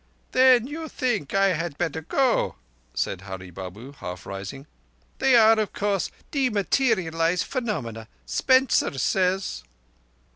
"Then you think I had better go?" said Hurree Babu, half rising. "They are, of course, dematerialized phenomena. Spencer says."